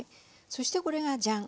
そしてこれがジャン！